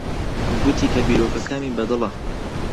گوتی کە بیرۆکەکەمی بەدڵە.